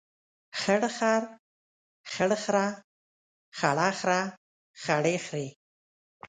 خړ خر، خړ خره، خړه خره، خړې خرې.